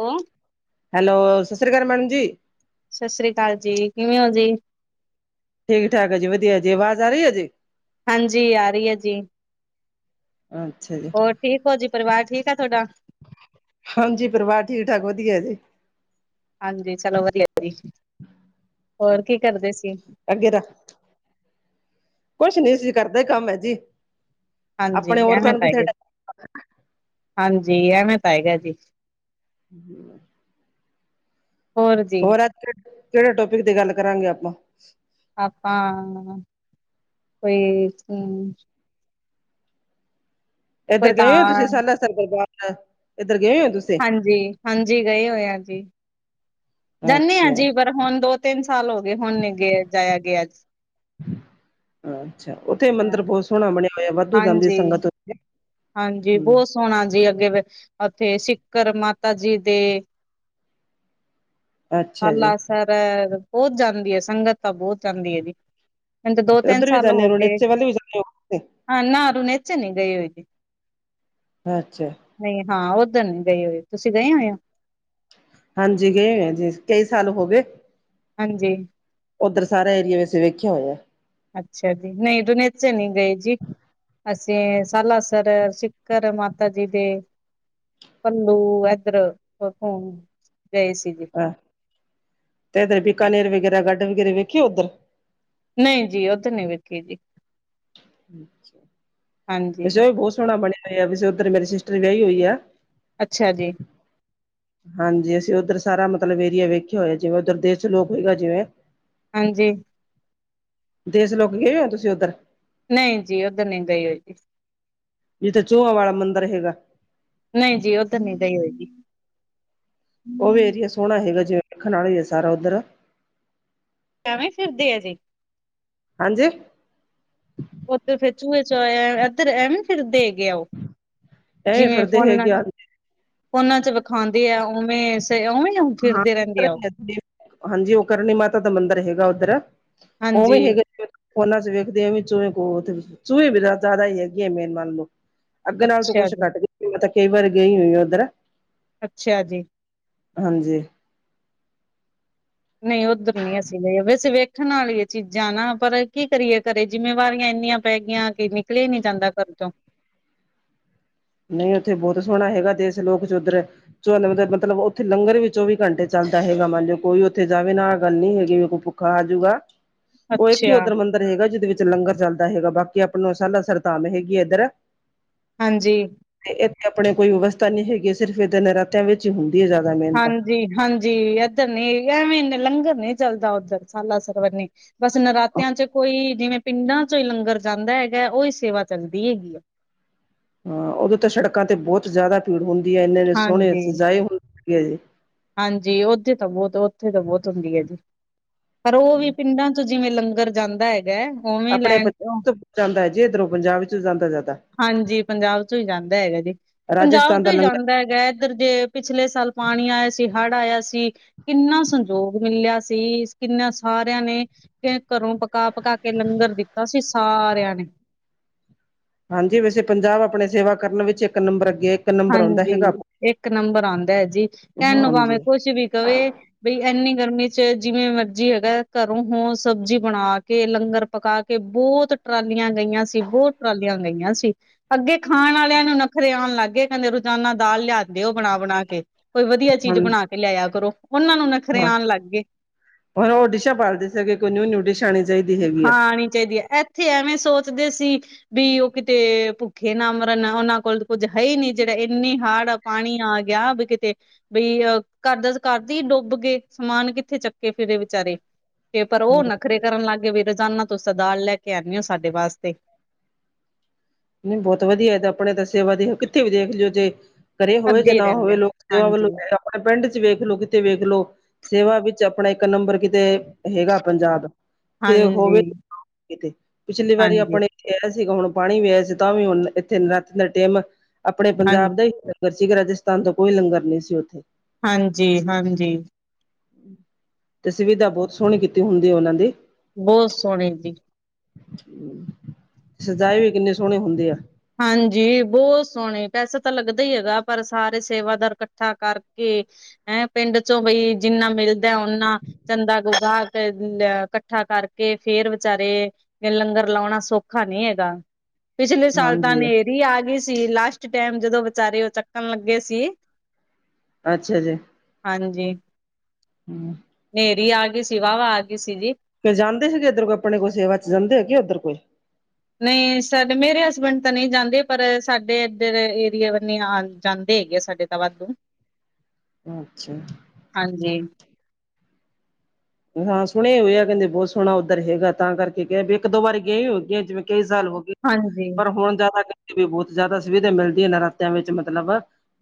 ਉਹ ਹੈਲੋ। ਸਤਿ ਸ਼੍ਰੀ ਅਕਾਲ ਮੈਡਮ ਜੀ। ਸਤਿ ਸ੍ਰੀ ਅਕਾਲ ਜੀ, ਕਿਵੇਂ ਹੋ ਜੀ। ਠੀਕ-ਠਾਕ ਹੈ ਜੀ, ਵਧੀਆ ਜੀ ਆਵਾਜ ਆਹ ਰਹੀ ਹੈ ਜੀ। ਹਾਂਜੀ ਆ ਰਹੀ ਹੈ ਜੀ। ਹਾਂ ਹੋਰ ਠੀਕ ਹੋ ਜੀ, ਪਰਿਵਾਰ ਠੀਕ ਆ ਤੁਹਾਡਾ? ਹਾਂਜੀ। ਪਰਿਵਾਰ ਠੀਕ-ਠਾਕ ਵਧੀਆ ਜੀ। ਹਾਂਜੀ। ਚਲੋ ਵਧੀਆ ਜੀ, ਹੋਰ ਕੀ ਕਰਦੇ ਸੀ। ਅੱਗੇ‌ ਤਾ ਕੁਛ ਨੀ ਸੀ ਘਰਦੇ ਕੰਮ ਹੈ ਜੀ। ਹਾਂਜੀ ਆਪਣੇ ਔਰਤਾ ਐਵੇਂ ਨੂੰ ਤਾਂ ਕਿੱਥੇ ਹੈਗਾ ਟਾਈਮ ਹਾਂਜੀ ਐਵੇਂ ਤਾਂ ਹੈਗਾ ਜੀ। ਹੂੰ ਹੋਰ ਜੀ। ਕਿਹੜੇ ਟੋਪਿਕ ਤੇ ਗੱਲ ਕਰਾਂਗੇ ਆਪਾਂ। ਆਪਾਂ! ਕੋਈ ਹੂੰ ਕੋਈ ਇੱਧਰ ਤਾਂ ਗਏ ਹੋ ਤੁਸੀਂ ਸਾਲਸਰ ਦਰਬਾਰ ਸਾਹਿਬ, ਇੱਧਰ ਗਏ ਹੋ ਤੁਸੀਂ? ਹਾਂਜੀ -ਹਾਂਜੀ ਗਏ ਹੋਏ ਆਾਂ ਜੀ। ਜਾਂਨੇ ਹਾਂ ਅੱਛਾ ਜੀ, ਪਰ ਹੁਣ ਦੋ-ਤਿੰਨ ਸਾਲ ਹੋ ਗਏ, ਹੁਣ ਨੀਗੇ ਜਾਇਆ ਗਿਆ। ਅੱਛਾ। ਉੱਥੇ ਹਾਂ ਮੰਦਿਰ ਬਹੁਤ ਸੋਹਣਾ ਬਣਿਆ ਹੋਇਆ। ਵਾਧੂ ਜਾਂਦੀ ਹਾਂਜੀ ਸੰਗਤ ਉ ਹਾਂਜੀ। ਬਹੁਤ ਸੋਹਣਾ ਜੀ ਅੱਗੇ ਉੱਥੇ ਸਿੱਕਰ ਮਾਤਾ ਜੀ ਦੇ ਆ ਅੱਛਾ ਜੀ ਲਾਸ ਸਰ ਬਹੁਤ ਜਾਂਦੀ ਹੈ। ਸੰਗਤ ਤਾਂ ਬਹੁਤ ਜਾਂਦੀ ਹੈ ਜੀ। ਉਝ ਤੇ ਦੋ-ਤਿੰਨ ਉੱਧਰ ਵੀ ਸਾਲ ਜਾਂਦੇ ਹੋ ਗਏ। ਰਣੇਚੇ ਵੱਲ ਵੀ ਜਾਂਦੇ ਹਾਂ ਨਾ ਹੂਨੇ ਚ ਨੀ ਗਈ ਹੋਏਗੀ। ਅੱਛਾ ਨਹੀਂ ਹਾਂ। ਉੱਧਰ ਨਹੀਂ ਗਏ ਹੋਏ, ਤੁਸੀਂ ਗਏ ਹੋਏ ਹੋ ਹਾਂਜੀ ਗਏ ਹੋਇਆ ਜੀ ਆਸੀ, ਕਈ ਸਾਲ ਹੋ ਗਏ। ਹਾਂਜੀ ਉੱਧਰ ਸਾਰ ਏਰਿਆ। ਵੈਸੇ ਵੇਖਿਆ ਹੋਇਆ। ਅੱਛਾ ਜੀ। ਨਹੀਂ ਜੂਨੀ ਚ ਨਹੀਂ ਗਏ ਜੀ। ਅਸੀਂ ਸਾਲਸਰ, ਸਿਖਰ, ਮਾਤਾ ਜੀ ਦੇ ਘਲੂ ਇਧਰ ਪਤਾ ਨੀ ਗਏ ਸੀਗੇ। ਆ, ਇੱਧਰ ਬੀਕਾਨੇਰ ਵਗੈਰਾ ਗਾਰਡਨ ਗੀਰੀ ਵੇਖੀਏ ਉੱਧਰ। ਨਹੀਂ ਜੀ ਉਹ ਤੇ ਨਹੀ ਵੇਖੀ ਜੀ। ਹਾਂਜੀ ਵੈਸੇ ਉਹ ਵੀ ਬਹੁਤ ਸੋਹਣਾ ਬਣਿਆ ਹੋਇਆ ਆ, ਵੈਸੇ ਉੱਧਰ ਮੇਰੀ ਸਿਸਟਰ ਵਿਆਹੀ ਹੋਈ ਆ। ਅੱਛਾ ਜੀ। ਹਾਂਜੀ ਅਸੀਂ ਉੱਧਰ ਸਾਰਾ ਮਤਲਬ ਏਰੀਆ ਵੇਖਿਆ ਹੋਇਆ, ਜਿਵੇਂ ਉੱਧਰ ਦੇਸ ਲੋਕ ਹੋਗਾ ਜਿਵੇਂ ਹਾਂਜੀ। ਦੇਸ ਲੋਕ ਗਏ ਹੋ, ਤੁਸੀਂ ਉੱਧਰ? ਨਹੀਂ ਜੀ ਉੱਧਰ ਨੀ ਗਈ ਹੋਈ ਜੀ। ਜਿੱਥੇ ਚੂਹਾ ਵਾਲਾ ਮੰਦਿਰ ਹੈਗਾ। ਨਹੀਂ ਜੀ ਉੱਧਰ ਨੀ ਗਈ ਹੋਏਗੀ। ਉਹ ਵੀ ਏਰੀਆ ਸੋਹਣਾ ਹੈਗਾ, ਜਿਵੇਂ ਵੇਖਣ ਵਾਲਾ ਹੀ ਆ, ਸਾਰਾ ਉੱਧਰ। ਇਵੇਂ ਫਿਰਦੀ ਹੈ ਜੀ। ਹਾਂਜੀ। ਉੱਥੇ ਫਿਰ ਚੂਹੇ ਚਾਹੇ, ਇੱਧਰ ਐਵੇ ਫਿੱਰ, ਦੇ ਗਯਾ ਹੈ ਉਹ, ਐਵੇਂ ਜਿਵੇਂ ਫਿਰਦੇ ਫੋਨ ਹੈਗੇ ਆ ਫੋਨਾਂ ਚ ਵਿਖਾਉਂਦੇ ਆ, ਉਵੇਂ ਸੇ ਉਵੇਂ ਹਾਂ ਫਿਰਦੇ ਰਹਿੰਦੇ ਆ ਉਹ ਹਾਂਜੀ, ਉਹ ਕਰਨੀ ਮਾਤਾ ਦਾ ਮੰਦਿਰ ਹੈਗਾ ਉੱਧਰ ਹਾਂਜੀ ਉਵੇਂ ਹੈਗਾ। ਉਹਨਾਂ ਚ ਵੇਖਦੇ ਆ ਵੀ ਚੂੰਹੇ ਗੋਦ ਵਿਚ, ਚੂੰਹੇ ਵੀ ਜ਼ਿਆਦਾ ਹੀ ਹੈਗੀ ਹੈ, ਮੇਨ ਮੰਨ ਲਓ। ਅੱਗੇ ਨਾਲੋਂ ਤੇ ਅੱਛਾ ਕੁੱਛ ਜੀ ਬੈੱਟਰ, ਮੈਂ ਕਈ ਵਾਰੀ ਗਈ ਹੋਈ ਉੱਧਰ। ਅੱਛਾ ਜੀ। ਹਾਂਜੀ। ਨਹੀਂ ਉੱਧਰ ਨੀ ਅਸੀਂ ਗਏ, ਵੈਸੇ ਵੇਖਣ ਵਾਲਿਆਂ ਚੀਜ਼ਾਂ ਨਾ, ਪਰ ਕੀ ਕਰੀਏ ਘਰੇ ਜਿੰਮੇਵਾਰੀਆਂ ਇੰਨੀਆਂ ਪੈ ਗਈਆਂ, ਕਿ ਨਿਕਲੇਯਾ ਨੀ ਜਾਂਦਾ ਘਰ ਚੋਂ। ਨਹੀਂ ਉੱਥੇ ਬਹੁਤ ਸੋਹਣਾ ਹੈਗਾ, ਦੇਸ਼ ਲੋਕ ਚ ਉੱਧਰ ਜੋ ਲੱਗਦਾ, ਮਤਲਬ ਉੱਥੇ ਲੰਗਰ ਵੀ ਚੌਵੀ ਘੰਟੇ ਚੱਲਦਾ ਹੈਗਾ, ਮੰਨ ਲਿਓ ਕੋਈ ਉੱਥੇ ਜਾਵੇ ਨਾਹ ਗੱਲ ਨੀ ਹੈਗੀ ਵੀ ਖਾ ਜੂਗਾ। ਉਹ ਇੱਕ ਹੀ ਅੱਛਾ ਉੱਧਰ ਮੰਦਿਰ ਹੈਗਾ, ਜਿਹਦੇ ਵਿੱਚ ਲੰਗਰ ਚੱਲਦਾ ਹੈਗਾ, ਬਾਕੀ ਆਪ ਨੂੰ ਸਾਲ ਸਰਤਾਮ ਹੈਗੀ ਹੈ ਇੱਧਰ। ਹਾਂਜੀ। ਤੇ ਇੱਥੇ ਆਪਣੇ ਕੋਈ ਵਿਵਸਥਾ ਨੀ ਹੈਗੀ, ਸਿਰਫ਼ ਇਦਾਂ ਨਰਾਤਿਆਂ ਵਿੱਚ ਹੀ ਹੁੰਦੀ ਹੈ ਜ਼ਿਆਦਾ। ਮਿਹਨਤ ਹਾਂ ਹਾਂਜੀ ਹਾਂਜੀ ਇੱਧਰ ਨੀ ਐਵੇਂ ਇੰਨੇ ਲੰਗਰ ਨੀ ਚੱਲਦਾ ਉੱਧਰ, ਸਾਲਾ ਸਰਵੰਨੀ। ਬਸ ਨਰਾਤਿਆਂ ਚ ਕੋਈ ਜਿਵੇਂ ਪਿੰਡਾਂ ਚੋਂ ਹੀ ਲੰਗਰ ਜਾਂਦਾ ਹੈਗਾ, ਉਹੀ ਸੇਵਾ ਚੱਲਦੀ ਹੈਗੀ ਆ। ਹਾਂ ਉਦੋਂ ਤਾਂ ਸੜਕਾਂ ਤੇ ਬਹੁਤ ਜ਼ਿਆਦਾ ਭੀੜ ਹੁੰਦੀ ਹੈ, ਇੰਨੇ ਇੰਨੇ ਸੋਹਣੇ ਹਾਂਜੀ ਸਜਾਏ ਹੁੰਦੇ ਹੈ ਜੀ। ਹਾਂਜੀ ਉੱਥੇ ਤਾਂ ਬਹੁਤ ਉੱਥੇ ਤਾਂ ਬਹੁਤ ਹੁੰਦੀ ਹੈ ਜੀ, ਪਰ ਉਹ ਵੀ ਪਿੰਡਾਂ ਤੇ ਜਿਵੇਂ ਲੰਗਰ ਜਾਂਦਾ ਹੈਗਾ। ਉਵੇਂ ਆਪਣੇ ਲੈਣ ਪੰਜਾਬ ਤੋਂ ਜਾਂਦਾ ਜੇ, ਇੱਧਰੋਂ ਪੰਜਾਬ ਵਿੱਚ ਜਾਂਦਾ ਜ਼ਿਆਦਾ। ਹਾਂਜੀ ਪੰਜਾਬ ਤੋਂ ਹੀ ਜਾਂਦਾ ਹੈਗਾ ਜੀ, ਪੰਜਾਬ ਰਾਜਸਥਾਨ ਤੋਂ ਦਾ ਹੀ ਲੰਗਰ ਜਾਂਦਾ ਹੈਗਾ। ਇੱਧਰ ਦੇ ਪਿਛਲੇ ਸਾਲ ਪਾਣੀ ਆਇਆ ਸੀ, ਹੜ੍ਹ ਆਇਆ ਸੀ। ਕਿੰਨਾ ਸੰਜੋਗ ਮਿਲਿਆ ਸੀ, ਕਿੰਨਾ ਸਾਰਿਆਂ ਨੇ ਤੇ ਘਰੋਂ ਪਕਾ ਪਕਾ ਕੇ ਲੰਗਰ ਦਿੱਤਾ ਸੀ, ਸਾਰਿਆਂ ਨੇ। ਹਾਂਜੀ ਵੈਸੇ ਪੰਜਾਬ ਆਪਣੇ ਸੇਵਾ ਕਰਨ ਵਿੱਚ, ਇੱਕ ਨੰਬਰ ਅੱਗੇ ਐ। ਹਾਂਜੀ ਇੱਕ ਨੰਬਰ ਆਉਂਦਾ ਹੈ ਜੀ, ਕਹਿ ਨੂੰ ਭਾਵੇਂ ਹਾਂਜੀ ਕੁਛ ਵੀ ਕਵੇ ਬਈ ਇੰਨੀ ਗਰਮੀ ਚ ਜਿਵੇਂ ਮਰਜੀ ਹੈਗਾ, ਘਰੋਂ ਹੋ ਸਬਜ਼ੀ ਬਣਾ ਕੇ, ਲੰਗਰ ਪਕਾ ਕੇ ਬਹੁਤ ਟਰਾਲੀਆਂ ਗਈਆਂ ਸੀ, ਬਹੁਤ ਟਰਾਲੀਆਂ ਗਈਆਂ ਸੀ। ਅੱਗੇ ਖਾਣ ਵਾਲਿਆਂ ਨੂੰ ਨੱਖਰੇ ਆਉਣ ਲੱਗ ਗਏ। ਦੇ ਰੋਜ਼ਾਨਾ ਦਾਲ ਲਿਆਂਓਦੇ ਬਣਾ ਬਣਾ ਕੇ, ਕੋਈ ਵਧੀਆ ਹਾਂ ਚੀਜ਼ ਬਣਾ ਕੇ ਲਿਆਆ ਕਰੋ, ਉਹਨਾਂ ਨੂੰ ਨਾ ਨੱਖਰੇ ਹਾਂ ਆਉਣ ਲੱਗ ਗਏ। ਹੁਣ ਉਹ ਡਿਸ਼ਾਂ ਪਾਲਦੇ ਸੀਗੇ, ਕੋਈ ਨਿਊ ਨਿਊ ਡਿਸ਼ ਆਣੀ ਚਾਹੀਦੀ ਹੈਗੀ। ਹਾਂ ਆ। ਆਉਣੀ ਚਾਹੀਦੀ ਹੈ, ਇਹ ਇੱਥੇ ਐਵੇਂ ਸੋਚਦੇ ਸੀ, ਬੀ ਉਹ ਕਿਤੇ ਭੁੱਖੇ ਨਾ ਮਰਨ, ਉਹਨਾਂ ਕੋਲ ਕੁੱਝ ਹੈ ਹੀ ਨਹੀ ਜਿਹੜਾ ਇੰਨੀ ਹਾੜ ਆ ਪਾਣੀ ਆ ਗਿਆ ਵੀ ਕਿਤੇ ਬਈ ਅਹ ਘਰ ਕਰਦੀ ਡੁੱਬ ਗਏ ਸਮਾਨ ਕਿੱਥੇ ਚੱਕੇ ਫਿਰ ਵਿਚਾਰੇ ਤੇ ਪਰ ਹੂੰ, ਉਹ ਨਖਰੇ ਕਰਨ ਲੱਗ ਗਏ ਵੀ ਰੋਜ਼ਾਨਾ ਤੁਸੀਂ ਦਾਲ ਲੈ ਕੇ ਆਣੀ ਹੈ ਸਾਡੇ ਵਾਸਤੇ ਨਹੀਂ ਬਹੁਤ ਵਧੀਆ ਇਹ ਤਾਂ ਆਪਣੇ ਸੇਵਾ ਕਿੱਥੇ ਵੀ ਦੇਖ ਲਓ ਜੇ ਕਰੇ ਹੋਵੇ ਜਾਂ ਅੱਗੇ ਹੀ ਨਾ ਰਹਿੰਦੇ ਹੋਵੇ ਆ। ਲੋਕ ਸੇਵਾ ਵੱਲੋਂ ਹਾਂਜੀ ਆਪਣੇ ਪਿੰਡ ਚ ਵੇਖ ਲੋ, ਕਿਤੇ ਵੇਖ ਲੋ, ਸੇਵਾ ਵਿੱਚ ਆਪਣਾ ਇੱਕ ਨੰਬਰ ਕਿਤੇ ਹੈਗਾ ਪੰਜਾਬ। ਕਿ ਹਾਂਜੀ ਹੋਵੇ ਇਥੇ, ਪਿਛਲੀ ਵਾਰੀ ਹਾਂਜੀ ਆਪਣੇ ਕਿਹੜਾ ਸੀਗਾ ਹੁਣ ਪਾਣੀ ਵੀ ਆਇਆ ਸੀ ਤਾਂ ਵੀ ਹੁਣ ਇੱਥੇ ਦਿਨ ਰਾਤ ਡੇਮਾ ਆਪਣੇ ਪੰਜਾਬ ਹਾਂਜੀ ਦਾ ਹੀ ਫਰਸੀ ਰਾਜਸਥਾਨ ਤੇ ਕੋਈ ਲੰਗਰ ਨਹੀਂ ਸੀ ਉੱਥੇ ਹਾਂਜੀ ਹਾਂਜੀ ਤੁਸੀਂ ਵੀ ਤਾ ਬਹੁਤ ਸੋਹਣੀ ਕੀਤੀ ਹੁੰਦੀ ਉਹਨਾਂ ਦੀ ਬਹੁਤ ਸੋਹਣੇ ਜੀ ਸਜਾਏ ਵੀ ਕਿੰਨੇ ਸੋਹਣੇ ਹੁੰਦੇ ਆ ਹਾਂਜੀ ਬਹੁਤ ਸੋਹਣੇ ਪੈਸੇ ਤਾਂ ਲੱਗਦਾ ਹੀ ਹੈਗਾ ਪਰ ਸਾਰੇ ਸੇਵਾਦਾਰ ਇਕੱਠਾ ਕਰਕੇ ਐ ਪਿੰਡ ਚੋਂ ਗਈ ਜਿੰਨਾ ਮਿਲਦਾ ਉਨਾ ਚੰਦਾ ਨੂੰ ਗਾ ਇਕੱਠਾ ਕਰਕੇ ਫਿਰ ਵਿਚਾਰੇ ਤੇ ਲੰਗਰ ਲਾਉਣਾ ਸੌਖਾ ਨਹੀਂ ਹੈਗਾ ਪਿਛਲੇ ਸਾਲ ਹਾਂਜੀ ਕੀ ਆ ਗਏ ਸੀ ਲਾਸਟ ਟਾਈਮ ਜਦੋਂ ਵਿਚਾਰੇ ਉਹ ਚੱਕਣ ਲੱਗੇ ਸੀ। ਅੱਛਾ ਜੀ ਹਾਂਜੀ ਹੂ,,, ਹਨੇਰੀ ਆ ਗਈ ਸੀ ਵਾ ਆ ਗਈ ਸੀ ਜੀ ਕੋਈ ਜਾਂਦੇ ਸੀਗੇ ਇੱਧਰ ਕੋਈ ਆਪਣੇ ਕੋਈ ਸੇਵਾ ਚ ਜਾਂਦੇ ਹੈਗੇ ਉੱਧਰ ਕੋਈ ਨਹੀਂ ਸਾਡੇ ਮੇਰੇ ਹਸਬੈਂਡ ਤਾਂ ਨਹੀਂ ਜਾਂਦੇ ਪਰ ਸਾਡੇ ਇੱਧਰ ਏਰੀਏ ਵਰ ਨ ਆ ਜਾਂਦੇ ਹੈਗੇ ਆ ਸਾਡੇ [unintelligible] ਅੱਛਾ। ਹਾਂਜੀ ਹਾਂ ਸੁਣੇ ਹੋਏ ਆ ਕਹਿੰਦੇ ਬਹੁਤ ਸੋਹਣਾ ਉੱਧਰ ਹੈਗਾ ਤਾਂ ਕਰਕੇ ਕਿਹਾ ਵੀ ਇੱਕ ਦੋ ਵਾਰੀ ਗਏ ਹੋ ਗਏ ਜਿਵੇਂ ਕਈ ਸਾਲ ਹੋ ਗਏ ਹਾਂਜੀ ਪਰ ਹੁਣ ਜ਼ਿਆਦਾ ਕਰਕੇ ਵੀ ਬਹੁਤ ਜ਼ਿਆਦਾ ਸੁਵਿਧਾ ਮਿਲਦੀਆਂ ਨਰਾਤਿਆਂ ਵਿੱਚ ਮਤਲਬ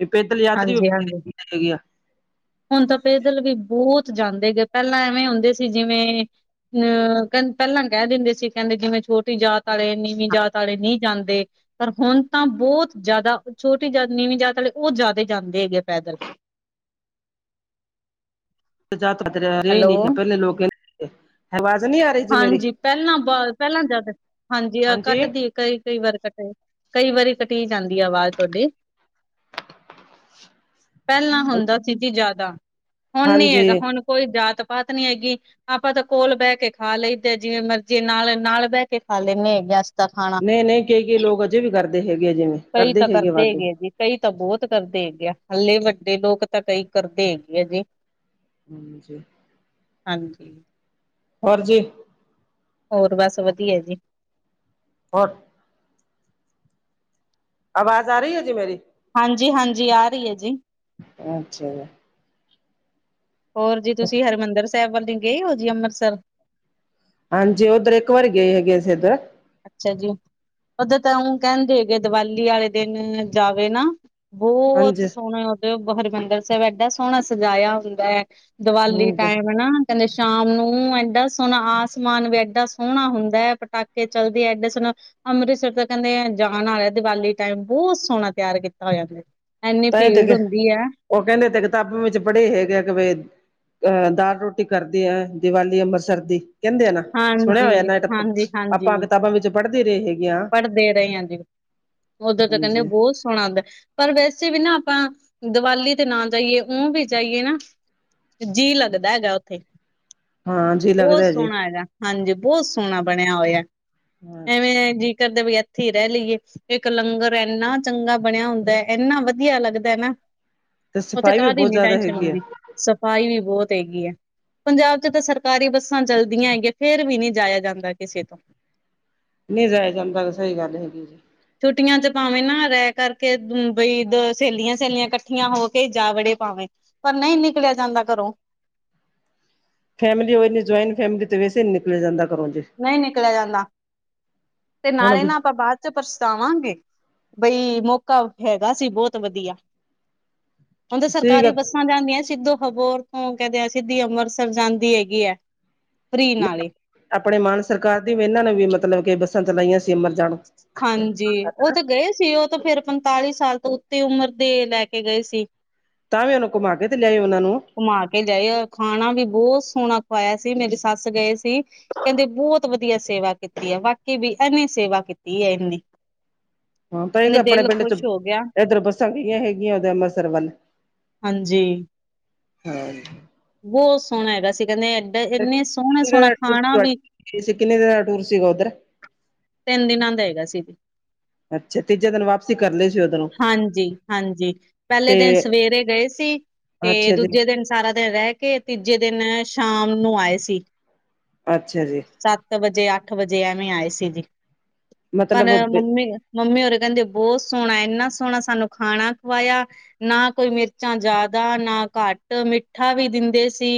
ਇਹ ਪੈਦਲ ਯਾਤਰੀ ਹਾਂਜੀ ਹਾਂਜੀ ਕਿੱਥੇ ਗਿਆ ਹੁਣ ਤਾਂ ਪੈਦਲ ਵੀ ਬਹੁਤ ਜਾਂਦੇ ਗਏ ਪਹਿਲਾਂ ਐਵੇਂ ਹੁੰਦੇ ਸੀ ਜਿਵੇਂ ਅ ਕਹ ਪਹਿਲਾਂ ਕਹਿ ਦਿੰਦੇ ਸੀ ਕਹਿੰਦੇ ਜਿਵੇਂ ਛੋਟੀ ਜਾਤ ਵਾਲੇ ਨੀਵੀਂ ਜਾਤ ਵਾਲੇ ਨਹੀਂ ਜਾਂਦੇ ਪਰ ਹੁਣ ਤਾਂ ਬਹੁਤ ਜ਼ਿਆਦਾ ਛੋਟੀ ਜਾਤ ਨੀਵੀਂ ਜਾਤ ਵਾਲੇ ਉਹ ਜ਼ਿਆਦਾ ਜਾਂਦੇ ਹੈਗੇ ਆ ਪੈਦਲ ਜਿਆਦਾਤਰ ਰਹੇ ਹੈਲੋ ਨਹੀਂ ਪਹਿਲੇ ਲੋਕ ਆਵਾਜ਼ ਨਹੀਂ ਆ ਰਹੀ ਜੀ ਮੇਰੀ ਹਾਂਜੀ ਪਹਿਲਾਂ ਬਾਅਦ ਪਹਿਲਾਂ ਜਿਆਦਾ ਹਾਂਜੀ ਕੱਟਦੀ ਕਈ ਕਈ ਵਾਰ ਕੱਟਦੀ ਕਈ ਵਾਰੀ ਘਟੀ ਜਾਂਦੀ ਆਵਾਜ਼ ਤੁਹਾਡੇ ਪਹਿਲਾਂ ਹੁੰਦਾ ਸੀ ਜੀ ਜ਼ਿਆਦਾ ਹੁਣ ਨੀ ਹਾਂਜੀ ਹੈਗਾ ਹੁਣ ਕੋਈ ਜਾਤ ਪਾਤ ਨੀ ਹੈਗੀ ਆਪਾਂ ਤਾਂ ਕੋਲ ਬਹਿ ਕੇ ਖਾ ਲਈਦਾ ਜਿਵੇਂ ਮਰਜ਼ੀ ਨਾਲ ਨਾਲ ਬਹਿ ਕੇ ਖਾ ਲੈਂਨੇ ਹੈਗੇ ਤਾਂ ਖਾਣਾ। ਨਹੀਂ ਨਹੀਂ ਕਈ ਕਈ ਲੋਕ ਅਜੇ ਵੀ ਕਰਦੇ ਹੈਗੇ ਆ ਜਿਵੇਂ ਕਈ ਕਰਦੇ ਤਾਂ ਹੈਗੇ ਵਾਧੂ ਆ ਜੀ ਕਈ ਤਾਂ ਬਹੁਤ ਕਰਦੇ ਹੈਗੇ ਆ ਹੱਲੇ ਵੱਡੇ ਲੋਕ ਤਾਂ ਕਈ ਕਰਦੇ ਹੈਗੇ ਆ ਜੀ ਹਾਂਜੀ ਹਾਂਜੀ ਹੋਰ ਜੀ ਹੋਰ ਬਸ ਵਧੀਆ ਜੀ ਹੋਰ ਆਵਾਜ਼ ਆ ਰਹੀ ਹੈ ਜੀ ਮੇਰੀ ਹਾਂਜੀ ਹਾਂਜੀ ਆ ਰਹੀ ਹੈ ਜੀ ਅੱਛਾ। ਹੋਰ ਜੀ ਤੁਸੀਂ ਹਰਿਮੰਦਰ ਸਾਹਿਬ ਵਾਲੇ ਗਏ ਹੋ ਜੀ ਅੰਮ੍ਰਿਤਸਰ ਹਾਂਜੀ ਉੱਧਰ ਇੱਕ ਵਾਰੀ ਗਏ ਹੈਗੇ ਅਸੀਂ ਇੱਧਰ ਅੱਛਾ ਜੀ ਉੱਧਰ ਤਾਂ ਉਹ ਕਹਿੰਦੇ ਹੈਗੇ ਦੀਵਾਲੀ ਵਾਲੇ ਦਿਨ ਜਾਵੇ ਨਾ। ਬਹੁਤ ਹਾਂਜੀ ਸੋਹਣਾ ਉਧੋਰੋ ਹਰਿਮੰਦਰ ਸਾਹਿਬ ਏਡਾ ਸੋਹਣਾ ਸਜਾਇਆ ਹੁੰਦਾ ਹੈ। ਦੀਵਾਲੀ ਹਾਂਜੀ ਟਾਈਮ ਨਾ। ਕਹਿੰਦੇ ਸ਼ਾਮ ਨੂੰ ਏਡਾ ਸੋਹਣਾ ਆਸਮਾਨ ਵੀ ਏਡਾ ਸੋਹਣਾ ਹੁੰਦਾ ਹੈ ਪਟਾਕੇ ਕੇ ਚਲਦੀ ਏਡਾ ਸੋਹਨਾ ਅੰਮ੍ਰਿਤਸਰ ਤਾਂ ਕਹਿੰਦੇ, ਜਾਣ ਵਾਲਾ ਦੀਵਾਲੀ ਟਾਈਮ ਬਹੁਤ ਸੋਹਣਾ ਤਿਆਰ ਕੀਤਾ ਹੋਇਆ। ਇੰਨੀ ਤਾਂਹੀ ਤੇ ਭੀੜ ਕੇ ਹੁੰਦੀ ਆ। ਉਹ ਕਹਿੰਦੇ ਤੇ ਕਿਤਾਬਾਂ ਵਿੱਚ ਪੜ੍ਹੇ ਹੈਗੇ ਕਿ ਬ ਅਹ ਦਾਲ ਰੋਟੀ ਕਰਦੀ ਹੈ, ਦੀਵਾਲੀ ਅੰਬਰਸਰ ਦੀ ਕਹਿੰਦੇ ਆ ਨਾ ਸੁਣਿਆ ਹੋਇਆ, ਹਾਂਜੀ, ਨਾ ਤਾਂ ਹਾਂਜੀ, ਆਪਾਂ ਹਾਂਜੀ ਕਿਤਾਬਾਂ ਵਿੱਚ ਪੜ੍ਹਦੇ ਰਹੇ ਹੈਗੇ ਹਾਂ। ਪੜ੍ਹਦੇ ਰਹੇ ਆ ਜੀ ਓਧਰ ਤਾਂ ਕਹਿੰਦੇ ਹਾਂਜੀ ਬਹੁਤ ਸੋਹਣਾ ਹੁੰਦਾ। ਪਰ ਵੈਸੇ ਵੀ ਨਾ ਆਪਾਂ ਦੀਵਾਲੀ ਤੇ ਨਾ ਜਾਈਏ ਊ ਵੀ ਜਾਈਏ ਨਾ। ਜੀਅ ਲੱਗਦਾ ਹੈਗਾ, ਉੱਥੇ ਹਾਂ ਜੀ ਲੱਗਦਾ ਬਹੁਤ ਹੈ ਜੀ ਸੋਹਣਾ ਹੈਗਾ। ਹਾਂਜੀ, ਬਹੁਤ ਸੋਹਣਾ ਬਣਿਆ ਹੋਇਆ, ਅੱਛਾ ਐਵੇਂ ਜੀ ਕਰਦੇ ਵੀ ਇੱਥੇ ਹੀ ਰਹਿ ਲਈਏ। ਇੱਕ ਲੰਗਰ ਇੰਨਾ ਚੰਗਾ ਬਣਿਆ ਹੁੰਦਾ, ਇੰਨਾ ਵਧੀਆ ਲੱਗਦਾ ਨਾ। ਤੇ ਉੱਥੇ ਸਫ਼ਾਈ ਵੀ ਕਾਹ ਦੀ ਬਹੁਤ ਨੀ ਜ਼ਿਆਦਾ ਟੈਸ਼ਨ ਹੈਗੀ ਆ ਹੁੰਦੀ ਸਫ਼ਾਈ ਵੀ ਬਹੁਤ ਹੈਗੀ ਹੈ। ਪੰਜਾਬ 'ਚ ਤਾਂ ਸਰਕਾਰੀ ਬੱਸਾਂ ਚੱਲਦੀਆਂ ਹੈਗੀਆਂ, ਫੇਰ ਵੀ ਨਹੀਂ ਜਾਇਆ ਜਾਂਦਾ ਕਿਸੇ ਤੋਂ ਨਹੀਂ ਜਾਇਆ ਜਾਂਦਾ ਤਾਂ ਸਹੀ ਗੱਲ ਹੈਗੀ ਜੀ। ਛੁੱਟੀਆਂ 'ਚ ਪਾਵੇਂ ਨਾ ਰਹਿ ਕਰਕੇ ਬਈ ਦ ਸਹੇਲੀਆਂ- ਸਹੇਲੀਆਂ ਇਕੱਠੀਆਂ ਹੋ ਕੇ ਜਾ ਵੜੇ ਪਾਵੇਂ। ਪਰ ਨਹੀਂ ਨਿਕਲਿਆ ਜਾਂਦਾ ਘਰੋਂ ਫੈਮਲੀ ਜੁਆਇੰਟ ਫੈਮਿਲੀ ਤੇ ਵੈਸੇ ਨੀ ਨਿਕਲਿਆ ਜਾਂਦਾ ਘਰੋਂ ਤੇ ਨਹੀਂ ਨਿਕਲਿਆ ਜਾਂਦਾ ਤੇ ਨਾਲੇ ਹੁਣ ਨਾ ਆਪਾਂ ਬਾਦ ਤੇ ਪਛਤਾਵਾਂਗੇ ਬਈ ਮੌਕਾ ਹੈਗਾ ਸੀ ਬਹੁਤ ਵਧੀਆ ਉਹਦੇ ਸਰਕਾਰੀ ਸੀਗਾ ਬੱਸਾਂ ਜਾਂਦੀਆਂ, ਸਿੱਧੋ ਹਬੋਰ ਤੋਂ ਕਹਿੰਦੇ ਆ ਸਿੱਧੀ ਅੰਮ੍ਰਿਤਸਰ ਜਾਂਦੀ ਹੈਗੀ ਹੈ। ਫਰੀ ਨਾਲੇ ਆਪਣੇ ਮਾਣ ਸਰਕਾਰ ਦੀ ਵੀ ਇਹਨਾਂ ਨੂੰ ਵੀ ਮਤਲਬ ਕੇ ਬੱਸਾਂ ਚਲਾਈਆਂ ਸੀ ਅਮਰ ਜਾਨ ਹਾਂਜੀ ਉਹ ਤਾਂ ਗਏ ਸੀ, ਉਹ ਤਾਂ ਫੇਰ ਪੰਤਾਲੀ ਸਾਲ ਤੋਂ ਉੱਤੇ ਉਮਰ ਦੇ ਲੈ ਕੇ ਗਏ ਸੀ। ਤਾਂ ਵੀ ਉਹਨੂੰ ਘੁੰਮਾ ਕੇ ਤੇ ਲਿਆ ਉਹਨਾਂ ਨੂੰ ਘੁਮਾ ਕੇ ਜਾਏ ਖਾਣਾ ਵੀ ਬਹੁਤ ਸੋਹਣਾ ਖਵਾਇਆ ਸੀ, ਮੇਰੀ ਸੱਸ ਗਏ ਸੀ। ਕਹਿੰਦੇ ਬਹੁਤ ਵਧੀਆ ਸੇਵਾ ਕੀਤੀ ਹੈ, ਵਾਕੀ ਵੀ ਇਹਨੇ ਸੇਵਾ ਕੀਤੀ ਹੈ ਇਹਨੀ [unintelligible] ਹਾਂ ਤਾਂ ਇਹ ਆਪਣੇ ਪਿੰਡ 'ਚ ਹੋ ਗਿਆ ਏਧਰ ਬੱਸਾਂ ਗਈਆਂ ਹੈਗੀਆਂ, ਉਧਰ ਅੰਮ੍ਰਿਤਸਰ ਵੱਲ ਹਾਂਜੀ, [unintelligible] ਬਹੁਤ ਸੋਹਣਾ ਹੈਗਾ, ਅਸੀਂ ਕਹਿੰਦੇ ਐਡ ਇੰਨੇ ਸੋਹਣਾ ਸੋਹਣਾ ਖਾਣਾ ਵੀ ਸਿ ਕਿੰਨੇ ਦਿਨ ਦਾ ਟੂਰ ਸੀਗਾ ਉਧਰ? ਤਿੰਨ ਦਿਨਾਂ ਦਾ ਹੈਗਾ ਸੀ। ਅੱਛਾ ਤੀਜੇ ਦਿਨ ਵਾ ਸੀ ਕਰਲੇ ਸੀ ਉਧਰੋਂ ਹਾਂਜੀ-ਹਾਂਜੀ ਪਹਿਲੇ ਦਿਨ ਸਵੇਰੇ ਗਏ ਸੀ। ਤੇ ਅੱਛਾ ਜੀ ਦੂਜੇ ਦਿਨ ਸਾਰਾ ਦਿਨ ਰਹਿ ਕੇ ਤੀਜੇ ਦਿਨ ਸ਼ਾਮ ਨੂੰ ਆਏ ਸੀ। ਅੱਛਾ ਜੀ। ਸੱਤ ਵਜੇ ਅੱਠ ਵਜੇ ਐਵੇਂ ਆਏ ਸੀ, ਜੀ ਪਰ ਮਤਲਬ ਮੰਮੀ ਮੰਮੀ ਹੋਰੇ ਕਹਿੰਦੇ ਬਹੁਤ ਸੋਹਣਾ ਇੰਨਾ ਸੋਹਣਾ ਸਾਨੂੰ ਖਾਣਾ ਖਵਾਇਆ। ਨਾ ਕੋਈ ਮਿਰਚਾਂ ਜ਼ਿਆਦਾ ਨਾ ਘੱਟ ਮਿੱਠਾ ਵੀ ਦਿੰਦੇ ਸੀ।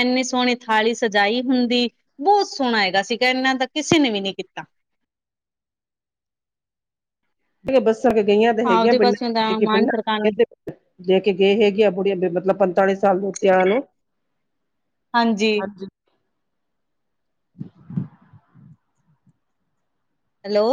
ਇੰਨੀ ਸੋਹਣੀ ਥਾਲੀ ਸਜਾਈ ਹੁੰਦੀ। ਬਹੁਤ ਸੋਹਣਾ ਹੈਗਾ ਸੀਗਾ, ਇਹਨਾਂ ਦਾ ਕਿਸੇ ਨੇ ਵੀ ਨਹੀਂ ਕੀਤਾ। ਜਿਹ ਬੱਸਾਂ ਕੇ ਗਈਆਂ ਤੇ ਹੈਗੀਆਂ, ਆਪਦੇ [unintelligible] ਪਾਸਿਓਂ ਤਾਂ ਮਾਨ ਸਰਕਾਰ ਨੇ ਲੈ ਕੇ ਗਏ ਹੈਗੇ ਆ, ਬੁੜੀਆਂ ਮਤਲਬ ਪੰਤਾਲੀ ਸਾਲ ਦੇ ਉੱਤੇ ਆਨਾਂ ਨੂੰ ਹਾਂਜੀ, ਹੈਲੋ